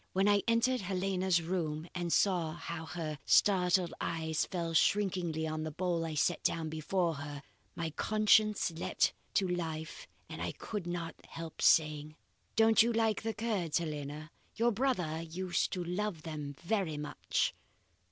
When I entered Helena's room and saw how her startled eyes fell shrinkingly on the bowl I set down before her, my conscience leaped to life and I could not help saying: "'Don't you like the curds, Helena? Your brother used to love them very much.